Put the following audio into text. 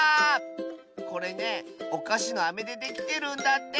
これねおかしのアメでできてるんだって！